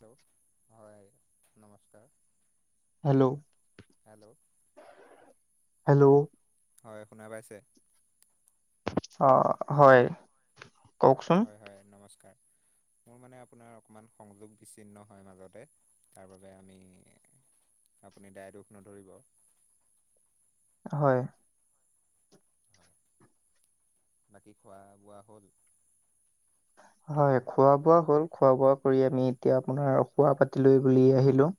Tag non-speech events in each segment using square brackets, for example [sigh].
Hello হয় নমস্কাৰ। Hello hello hello হয় শুনা পাইছে? অ হয় কওকচোন হয় হয় নমস্কাৰ। [inaudible] মোৰ মানে আপোনাৰ অকণমান সংযোগ বিচ্ছিন্ন হয় মাজতে তাৰ বাবে আমি। আপুনি দাই দুখ নধৰিব। [inaudible] হয় হয় বাকী খোৱা বোৱা হ'ল। হয় খোৱা বোৱা হ'ল খোৱা বোৱা কৰি আমি এতিয়া আপোনাৰ শোৱা পাতিলৈ বুলি আহিলো?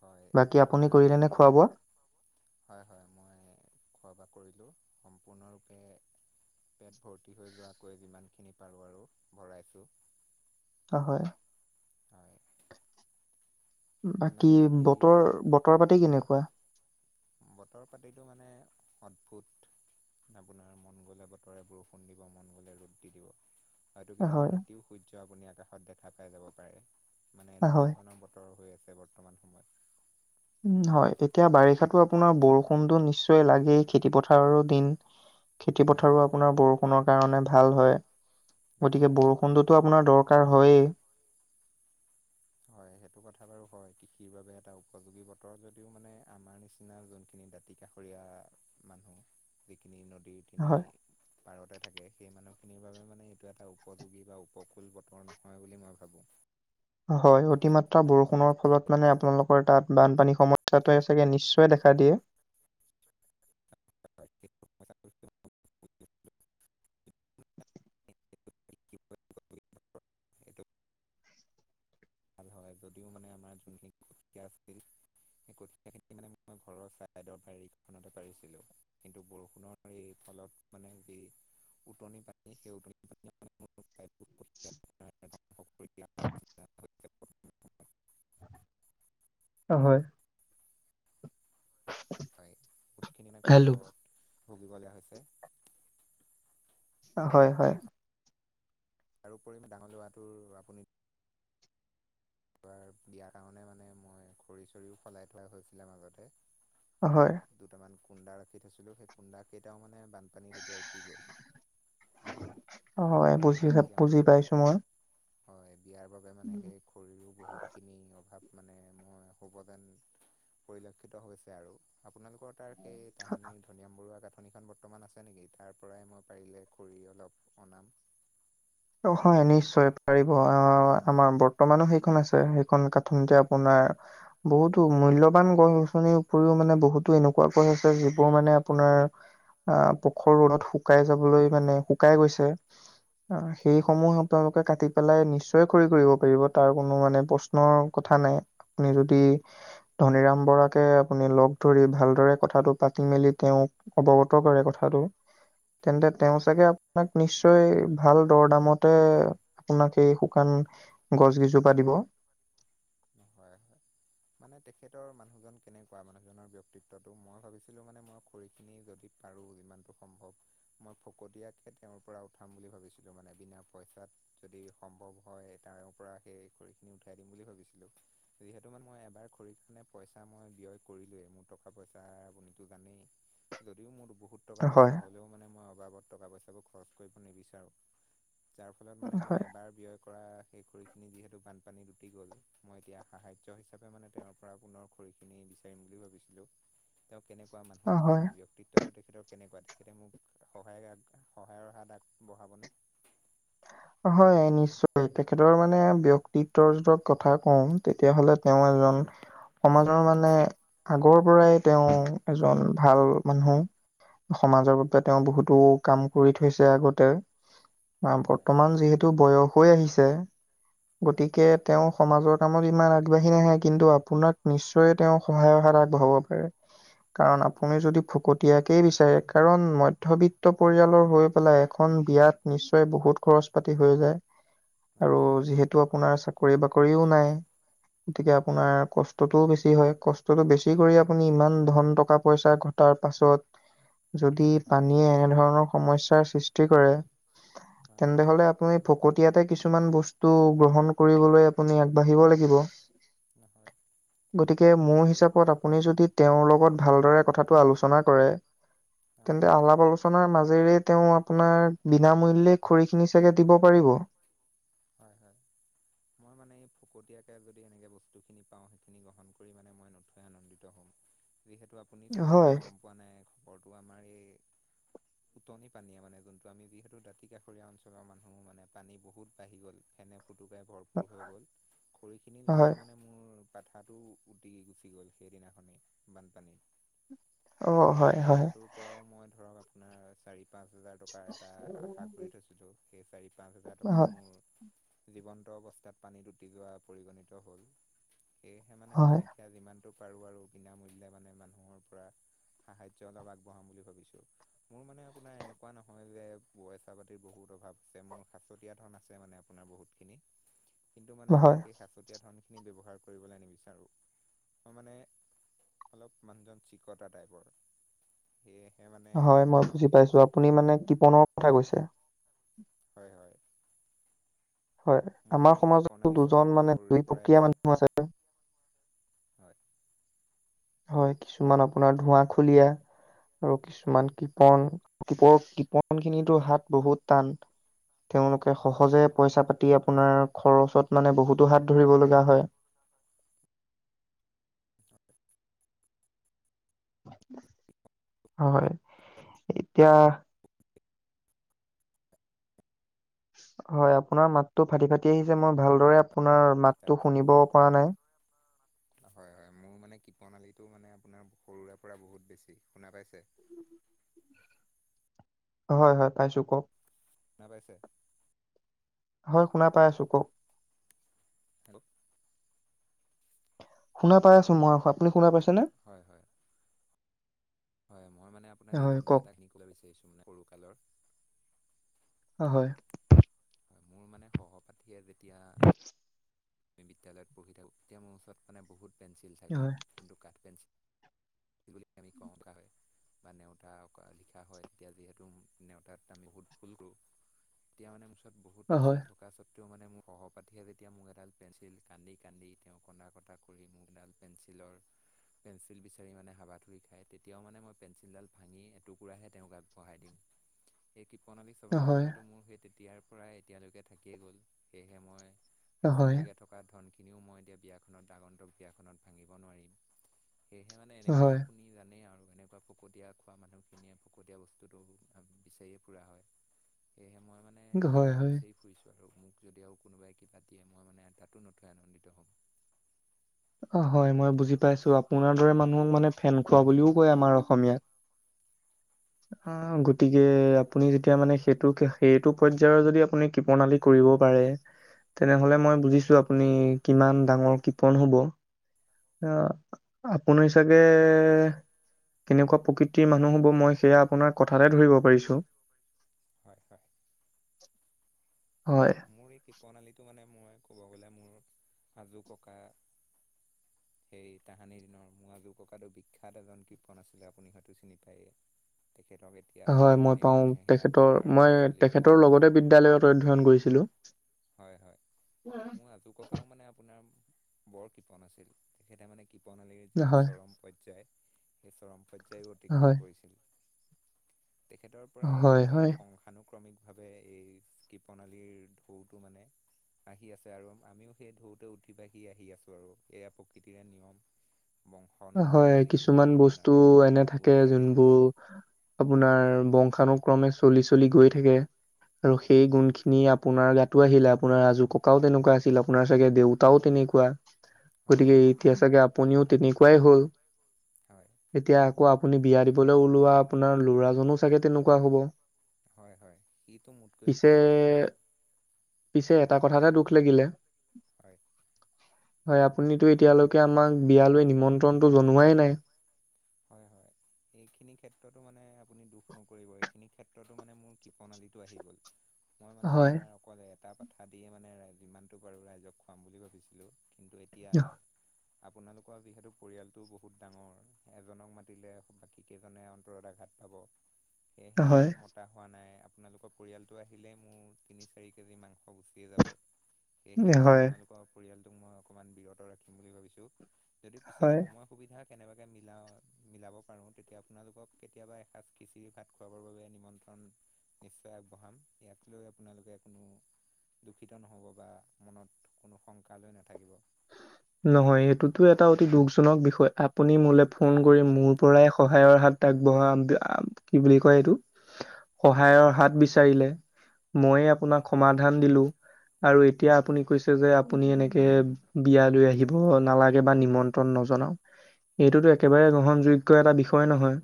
হয় বাকী আপুনি সিমান কৰিলে নে ৰাতি খোৱা বোৱা হয় হয় মই খোৱা। কৰিলোঁ সম্পূৰ্ণৰূপে। পেট ভৰ্তি হৈ যোৱাকৈ যিমানখিনি পাৰোঁ আৰু ভৰাইছোঁ? হয় হয়। হয় বাকী ইমান ৰাতি বতৰ বতৰ পাতি কেনেকুৱা? বতৰ পাতিটো মানে অদ্ভুত। আপোনাৰ মন গ'লে বতৰে বৰষুণ দিব মন গ'লে ৰ'দ দি দিব। হয়তটো কেতিয়াবা হয় ৰাতিও সূৰ্য আপুনি আকাশত দেখা পাই যাব পাৰে। হয়। ছে বৰ্তমান সময়ত। হয় এতিয়া বাৰিষাতো আপোনাৰ বৰষুণতো নিশ্চয় লাগেই খেতি পথাৰৰো দিন খেতি হয় পথাৰো আপোনাৰ বৰষুণৰ কাৰণে ভাল হয়। না গতিকে হয় হয়। বৰষুণটোতো আপোনাৰ দৰকাৰ হয়েই হয় সেইটো কথা বাৰু হয় কৃষিৰ বাবে এটা উপযোগী বতৰ যদিও মানে আমাৰ নিচিনা যোনখিনি দাঁতি কাষৰি মানু্হ যিখিনি নদীৰখিনি হয় পাৰতে থাকে সেই মানু খিনিৰ বাবে মানে এইটো এটা উপযোগী বা উপকূুল বতৰ নহয় বুলি মই ভাবোঁ। হয় অতিমাত্ৰা বৰষুণৰ ফলত মানে আপোনালোকৰ তাত বানপানীৰ সমস্যাটোৱে চাগে নিশ্চয় দেখা দিয়ে? [unintelligible] এইটো ভাল হয় যদিও মানে আমাৰ যোনখিনি সকীয়া আছিল। খিনি মানে মই ঘৰৰ চাইদৰ বৰিখনতে পাৰিছিলো, কিন্তু বৰষুণৰ এই ফলত মানে যি উটনি পানী সেই উটনি পানী [inaudible] নহয়। হয় বহুতখিনি মানে কষ্ট হেল্ল'। ভুগিবলীয়া হৈছে। হয় হয়। তাৰোপৰি ডাঙৰ ল'ৰা টোৰ আপুনি এইবাৰ বিয়াৰ কাৰণে মানে মই খৰি চৰিও ফলাই থোৱা হৈছিলে মাজতে। হয়। দুটামান কুন্দা ৰাখি থৈছিলোঁ সেই কুন্দা কেইটাও মানে বানপানীত এতিয়া উটি গ'ল। হয়, বুজি এতিয়া বুজি মানে পাইছোঁ মই। হয় বিয়াৰ বাবে মানে সেই খৰিৰো বহুত খিনি অভাৱ। মানে মই হ'ব যেন পৰিলক্ষিত হৈছে আৰু। আপোনালোক তাৰ সেই তাহানিৰ ধনিৰাম বৰুৱা বৰ্তমান আছে নেকি? তাৰ পৰাই মই পাৰিলে খৰি অলপ অনাম। অ হয় নিশ্চয় পাৰিব আহ আমাৰ বৰ্তমানো সেইখন আছে সেইখন কাথনিতে আপোনাৰ বহুতো মূল্যবান গছ গছনিৰ উপৰিও মানে বহুতো এনেকুৱা গছ আছে যিবোৰ মানে আপোনাৰ আহ পখৰ ৰ'দত শুকাই যাবলৈ মানে শুকাই গৈছে হয় সেইসমূহ আপোনালোকে কাটি পেলাই নিশ্চয় খৰি কৰিব পাৰিব। তাৰ কোনো মানে প্ৰশ্নৰ কথা নাই। আপুনি যদি ধনীৰাম বৰাকে আপুনি লগ ধৰি ভালদৰে কথাটো পাতি মেলি তেওঁ অৱগত কৰে কথাটো, তেন্তে তেওঁ হয় হয় চাগে আপোনাক নিশ্চয় ভাল দৰ দামতে আপোনাক সেই শুকান গছ গেজোপা দিব। [inaudible] হয় হয় মানে তেখেতৰ মানুহজন কেনেকুৱা? মানুহজনৰ ব্যয়ক্তিত্বটো? মই ভাবিছিলোঁ মানে মই খৰি খিনি য পাৰো ইমানটো সম্ভৱ মই ফকতীয়াকে তেওঁৰ পৰা উঠাম বুলি ভাবিছিলোঁ মানে বিনা পইচা যদি সম্ভৱ হয় তাৰ পৰা সেই খৰি খিনি উঠাই দিম বুলি ভাবিছোঁ। [inaudible] যিহেতু মানে মই এবাৰ খৰিৰ কাৰণে পইচা মই ব্যয় কৰিলোৱেই। মোৰ টকা পইচা আপুনিতো জানেই। যদিও মোৰ বহুত টকা হয়, পইচা হ'লেও মানে মই অবাবত টকা পইচাবোৰ খৰচ কৰিব নিবিচাৰোঁ। যাৰ ফলত মানে মই হয়। এবাৰ ব্যয় কৰা সেই খৰি খিনি যিহেতু বানপানীত উটি গ'ল। মই এতিয়া সাহায্য হিচাপে মানে তেওঁৰ পৰা পুনৰ খৰিখিনি বিচাৰিম বুলি ভাবিছিলোঁ। তেওঁক কেনেকুৱা অ', মানুহ হয়। মানে ব্যয়ক্তিত্বটো দেখ তেখেতৰ কেনেকুৱা তেখেতে মোক সহায় সহায়ৰ হাত আগবঢ়াবনে? হয় নিশ্চয় তেখেতৰ মানে ব্যক্তিত্বৰ যক কথা কওঁ তেতিয়া হ'লে তেওঁ- [unintelligible] সমাজৰ মানে আগৰ পৰাই তেওঁ এজন ভাল মানুহ। সমাজৰ বাবে তেওঁ বহুতো কাম কৰি থৈছে আগতে [unintelligible] হয় বৰ্তমান যিহেতু বয়স হৈ আহিছে। হয় গতিকে তেওঁ সমাজৰ কামত ইমান আগবাঢ়ি নাহে কিন্তু আপোনাক নিশ্চয় তেওঁ সহায়হ ইয়াত আগবঢ়াব পাৰে। কাৰণ আপুনি যদি ফকতীয়াকেই বিচাৰে কাৰণ মধ্যবিত্ত পৰিয়ালৰ হৈ পেলাই এখন। বিয়াত নিশ্চয় বহুত খৰচ পাতি হৈ যায় হয় আৰু যিহেতু আপোনাৰ চাকৰি বাকৰিও নাই। গতিকে হয় আপোনাৰ কষ্টটোও বেছি। কষ্টটো বেছি কৰি আপুনি ইমান ধন টকা পইচা ঘটাৰ পাছত। যদি হয় পানীয়ে এনেধৰণৰ সমস্যাৰ সৃষ্টি কৰে। হয় তেন্তে হয় হ'লে আপুনি ফকতিয়াতে কিছুমান বস্তু গ্ৰহণ কৰিবলৈ আগবাঢ়িব লাগিব। নহয় গতিকে মোৰ সেইবাবে হিচাপত আপুনি যদি তেওঁৰ লগত। ভালদৰে কথাটো আলোচনা কৰে। অঁ তেন্তে আলাপ আলোচনাৰ মাজেৰে তেওঁ আপোনাৰ বিনামূল্য। খৰিখিনি চাগে দিব পাৰিব। হয় হয় মই মানে এই ফকতীয়াকে যদি এনেকে বস্তু খিনি পাওঁ, সেইখিনি গ্ৰহণ কৰি মানে মই নথৈ আনন্দিত হ'ম। যিহেতু আপুনি চাগে ইমান হয়, গম পোৱা নাই খবৰটো আমাৰ এই উতনি পানীয়ে মানে যোনটো আমি যিহেতু দাঁতিকাষৰীয়া অঞ্চলৰ মানুহ মানে পানী বহুত বাঢ়ি গ'ল ফেনে ফুটুকাই ভৰপৰ হৈ গ'ল খৰি খিনিৰ লগতে হয়। মানে মোৰ পাঠাটো উটি গুচি গ'ল সেইদিনাখনেই বানপানী অ', এতিয়া হয়, সেই হয়, পাঠাটোৰ পৰাও মই ধৰক আপোনাৰ চাৰি পাঁচ পাঁচ হেজাৰ টকাৰ এটা আশা কৰি থৈছিলোঁ, সেই চাৰি পাঁচ হাজাৰ হয়, টকাও মোৰ জীৱন্ত অৱস্থাত পানী দুটি যোৱা পৰিগণিত হল। সেয়েহে মানে মই হয়, এতিয়া যিমানটো পাৰো আৰু বিনামূল্য মানে মানুহৰ পৰা সাহায্য অলপ আগবঢ়াম বুলি ভাবিছো। মোৰ মানে আপোনাৰ এনেকুৱা নহয় যে পইচা পাতিৰ বহুত প্ৰভাৱ আছে মোৰ সাঁচতিয়া ধন আছে মানে আপোনাৰ বহুত খিনি, কিন্তু মানে মই হয়, সেই সাঁচতিয়া ধন খিনি ব্যৱহাৰ কৰিবলৈ নিবিচাৰোঁ, মানে অলপ মানুহজন চিকতা টাইপৰ, সেয়ে হয় মই বুজি পাইছো আপুনি মানে কৃপনৰ কথা কৈছে। হয় হয়। হয় মোৰ আমাৰ মানে সমাজত কৃপণালী দুজন স্বভাৱটো মানে সৰুৰে দুই পৰাই প্ৰক্ৰীয়া মানুহ আছে। হয়। হয় কিছুমান আপোনাৰ ধোঁৱা খুলীয়া আৰু কিছুমান হয় কৃপন কিপ কৃপন খিনিতো হাত বহুত টান, তেওঁলোকে হয়। সহজে পইচা পা তী আপোনাৰ খৰচত মানে বহুতো হাত ধৰিব লগা হয়। [inaudible] হয়, এতিয়া হয় আপোনাৰ মাতটো ফাটি ফাটি আহিছে মই ভালদৰে আপোনাৰ মাতটো শুনিব পৰা নাই। হয় হয় [inaudible] মোৰ মানে কৃপনালীটো মানে আপোনাৰ সৰুৰে পৰা বহুত বেছি শুনা পাইছে। [inaudible] হয় হয় পাইছো কওক। নাপাইছে? হয় শুনা পাই আছোঁ কওক? হ শুনা পাই আছো মই, আপুনি শুনা পাই হয় হয়। হয় মই মানে আপোনাক হয় এইখিনিতে কওক এটা কিনি কব বিচাৰিছোঁ মানে সৰুকালৰ হয়। মোৰ মানে সহপাঠীয়ে যেতিয়া আমি বিদ্যালয়ত পঢ়ি থাকোঁ, এতিয়া মোৰ ওচৰত মানে বহুত পেঞ্চিল থাকে কিন্তু কাঠ পেঞ্চিল বুলি আমি উম। কওঁ থকা হয়। বা নেওতা লিখা হয়, তেতিয়া যিহেতু নেওতাত আমি বহুত ভুল কৰোঁ। তেতিয়া মানে ওচৰত বহুত হয় পেঞ্চিল হয় থকাত টো মানে মোৰ সহপাঠীয়ে যেতিয়া মোক এডাল পেঞ্চিল কান্দি কান্দি তেওঁ কন্দা কটা কৰি মোক এডাল পেঞ্চিল ৰ [unintelligible] পেঞ্চিল বিচাৰি মানে হাবাথুৰি খাই তেতিয়াও মানে মই পেঞ্চিলডাল ভাঙি টুকুৰা হে তেওঁৰ গাঁত ঘঁহাই দিওঁ। [unintelligible] কৃপনালী স্বভাৱটো হয় হয়তো মোৰ সেই তেতিয়াৰ পৰাই এতিয়ালৈকে থাকিয়ে গল। সেয়েহে মই হয় সাঁচতীয়াকৈ থকা ধনখিনিও মই এতিয়া বিয়াখনত আগন্তুক বিয়াখনত ভাঙিব নোৱাৰিম। সেয়েহে মানে এনেকুৱা হয় আপুনি জানেই আৰু এনেকুৱা পকতীয়া খোৱা মানুহখিনিয়ে পকতীয়া বস্তুটো বিচাৰিয়ে ফুৰা হয়। সেয়ে মই মানে এতিয়া হয় বিচাৰি ফুৰিছোঁ আৰু মোক যদি আৰু কোনোবাই কিবা দিয়ে মই মানে তাতো নথৈ আনন্দিত হম। অহ, হয় মই বুজি পাইছো আপোনাৰ দৰে মানুহক মানে ফেন খোৱা বুলিও কয় আমাৰ অসমীয়াত। অহ, গতিকে হয় হয় আপুনি যেতিয়া মানে সেইটো সেইটো পৰ্য্যায়ৰ যদি আপুনি কৃপনালী কৰিব পাৰে, তেনেহলে মই বুজিছো আপুনি কিমান ডাঙৰ কৃপন হব। অহ, আপুনি চাগে কেনেকুৱা প্ৰকৃতিৰ মানুহ হ'ব মই সেয়া আপোনাৰ কথাতে ধৰিব পাৰিছোঁ। হয়- হয় হয় মোৰ এই কৃপনালীটো মানে মই ক'ব গ'লে মোৰ আজো ককা, [inaudible] সেই তাহানি দিনৰ মোৰ আজু ককাটো বিখ্যাত এজন কৃপন আছিলে আপুনি হয়তো চিনি পায়েই। তেখেতক এতিয়া হয়, মই তাহানিৰ পাওঁ মানুহে সেয়া তেখেতৰ তুষাৰ মই শইকীয়া বুলি কয়। তেখেতৰ লগতে বিদ্যালয়ত অধ্যয়ন কৰিছিলো। হয়- হয়, মোৰ আজু ককাও মানে আপোনাৰ বৰ কপন আছিল তেখেতে মানে কৃপনালীৰ যিটো হয়, চৰম পৰ্য্যায় সেই চৰম পৰ্যায়ও অতিক্ৰম হয়, কৰিছিল। তেখেতৰ পৰাই হয়, আৰু এই হয়, বংশানুক্ৰমিক ভাৱে এই কৃপনালীৰ বহুতো মানে আহি আছে আৰু আমিও সেই ঢৌতে উঠি ভাঁহি আহি আছো আৰু, এয়া প্ৰকৃতিৰে নিয়ম। বংশানুগত হয়, যিখিনি কিছুমান আপোনাৰ বস্তু এনে থাকে যোনবোৰ আপোনাৰ হয়। বংশানো ক্ৰমে চলি- চলি গৈ থাকে আৰু হয় সেই হয়। গুণ খিনি আপোনাৰ গাত আহিলে আপোনাৰ আজু ককাও তেনেকুৱা আছিল আপোনাৰ চাগে দেউতাও তেনেকুৱা হয় গতিকে হয় এতিয়া চাগে আপুনিও তেনেকুৱাই হ'ল। হয় এতিয়া আকৌ আপুনি বিয়া দিবলৈ ওলোৱা আপোনাৰ ল'ৰাজনো চাগে তেনেকুৱা হ'ব। হয় -হয় সিটো মোতকৈও কৈওঁ পিছে কৃপন। পিছে এটা কথাতে দুখ লাগিলে হয় হয়, আপুনিতো এতিয়ালৈকে আমাক বিয়ালৈ নিমন্ত্ৰণতটো জনোৱাই নাই। [inaudible] হয় হয়। এইখিনি ক্ষেত্ৰতো মানে আপুনি দুখ নকৰিব এইখিনি ক্ষেত্ৰতো মানে মোৰ কৃপনালী টো আহি গ'ল। মই মানে হয় আপোনাৰ অকল এটা পাথা দিয়ে মানে যিমানটো পাৰো ৰাইজক খুৱাম বুলি ভাবিছিলো। কিন্তু, এতিয়া আপোনালোকৰ যিহেতু পৰিয়ালটোও বহুত ডাঙৰ এজনক মাতিলে বাকী কেইজনে অন্তৰত আঘাত পাব সেয়েহে মানে হয় মতা হোৱা নাই আপোনালোকৰ পৰিয়ালটো আহিলে মোৰ তিনি -চাৰি কেজি মাংস গুচিয়ে যাব। সেয়েহে মানে হয় আপোনালোকৰ পৰিয়ালটোক মই অকমান বিৰত ৰাখিম বুলি ভাবিছো যদি পিছত হয় সময় সুবিধা কেনেবাকে মিলাও আৰু মিলাব পাৰো তেতিয়া আপোনালোকক কেতিয়াবা এসাঁজ খিচিৰি ভাত খুৱাবৰ বাবে নিমন্ত্ৰণ নিশ্চয় বহাম ইয়াত লৈ আপোনালোকে কোনো দুখিত নহ'ব বা মনত কোনো শংকা লৈ নাথাকিব। [inaudible] নহয়, এইটোতো এটা অতি দুখজনক বিষয় আপুনি মোলে ফোন কৰি মোৰ পৰাই সহায়ৰ হাতখ আগবঢ়াম কি বুলি কয় এইটো সহায়ৰ হাত বিচাৰিলে। ময়ে আপোনাক সমাধান দিলো আৰু এতিয়া আপুনি কৈছে যে আপুনি এনেকে বিয়া লৈ এইটোতো একেবাৰে গ্ৰহণযোগ্য এটা বিষয় নহয়।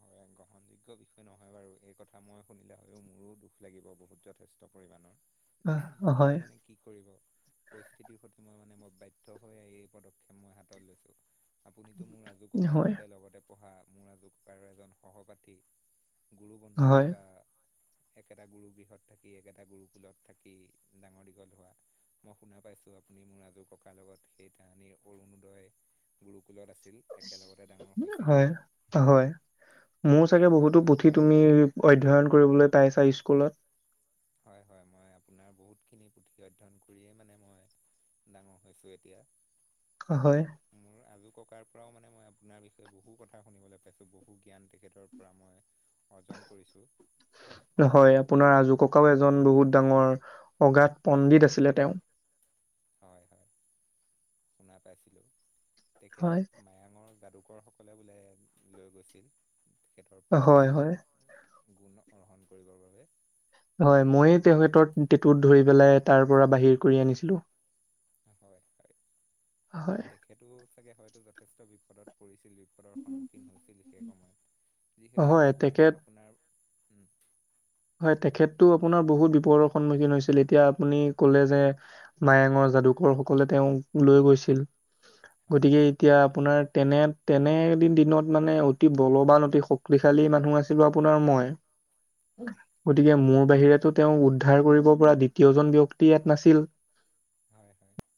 হয়, এক গ্ৰহণযোগ্য বিষয় নহয় বাৰু এই কথা মই শুনিলে হয়লেও মোৰো দুখ লাগিব বহুত যথেষ্ট পৰিমাণৰ। আহ, হয়, কিন্তু মানে কি কৰিব পৰিস্থিতিৰ সৈতে মই মানে মই বাধ্য হৈ আহি এই পদক্ষেপ মই হাতত লৈছো। আপুনিতো মোৰ আজু ককাৰ হয়, সৈতে লগতে পঢ়া, মোৰ আজু ককাৰ এজন সহপাঠী। গুৰু বন্ধু হয়, বা একেটা গুৰু গৃহত থাকি একেটা গুৰুকুলত থাকি ডাঙৰ দীঘল হোৱা। মই শুনা পাইছো, আপুনি মোৰ আজুককাৰ লগত সেইতাহানিৰ অৰুণোদয় গুৰুকুলত আছি হয় হয়, মোৰ হয় চাগে হয় বহুতো পু থি তথাপি তুমি অধ্যয়ন কৰিবলৈ পাইছা স্কুলত। হয় হয়, মই আপোনাৰ বহুতখিনি পুথি অধ্যয়ন কৰিয়েই মানে মই ডাঙৰ হৈছোঁ এতিয়া। হয়। মোৰ আজো ককাৰ পৰাও মানে মই আপোনাৰ বিষয়ে বহু কথা শুনিবলৈ পাইছো বহু জ্ঞান তেখেতৰ পৰা মই অৰ্জন কৰিছোঁ হয় আপোনাৰ আজোক কাও এজন বহুত ডাঙৰ, অগাত পণ্ডিত আছিলে তেওঁ। হয় হয়, শুনা পাইছিলো। হয়, তেখেতক মায়ঙৰ যাদু কৰ সকলে বোলে লৈ গৈছিল। সিহঁতৰ পৰা হয়, কিছু হয়, গুণ অৰহণ কৰিবৰ বাবে। হয় মইয়ে তেখেতৰ টেঁটুত ধৰি পেলাই তাৰ পৰা বাহিৰ কৰি আনিছিলো। হয় হয়, হয়, তেখেতো চাগে হয়তো যথেষ্ট বিপদত পৰিছি ল বিপদৰ সন্মুখীন হৈছিল সেই সময়ত। যিহেতু হয়, সেই তেখেত সময়ৰ আপোনাৰ উম। হয় তেখেতটো আপোনাৰ বহুত বিপদৰ সন্মুখীন হৈছিল। এতিয়া আপুনি কলে যে মায়াঙৰ যাদুকৰ সকলে তেওঁক লৈ গৈছিল। হয় গতিকে এতিয়া আপোনাৰ তেনে তেনে এদিন দিনত মানে অতি বলৱান অতি শক্তিশাল মানুহ আছিলো আপোনাৰ মই। হয় গতিকে মোৰ বাহিৰেতো তেওঁক উদ্ধাৰ কৰিব পৰা দ্বিতীয়জন ব্যক্তি ইয়াত নাছিল। [inaudible] হয় হয়।